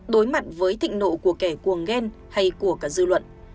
đối mặt với thịnh nộ của kẻ cuồng ghen hay của cả dư luận